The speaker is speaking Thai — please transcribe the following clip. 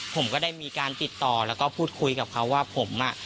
ผมก็ได้มีการติดต่อแล้วก็พูดคุยกับเขาว่าผมอ่ะ